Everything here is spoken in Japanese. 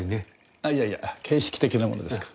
あっいやいや形式的なものですから。